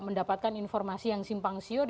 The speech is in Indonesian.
mendapatkan informasi yang simpang siur